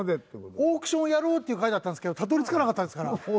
オークションやろうっていう回だったんですけどたどり着かなかったですから。